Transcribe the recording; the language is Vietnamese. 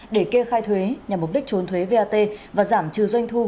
để kê khai thuế nhằm mục đích trốn thuế vat và giảm trừ doanh thu